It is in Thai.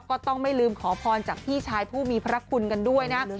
ก็ต้องไม่ลืมขอพรจากพี่ชายผู้มีพระคุณกันด้วยนะ